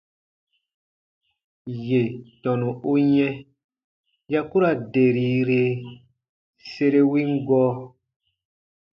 Yè tɔnu u yɛ̃ ya ku ra derire sere win gɔɔ.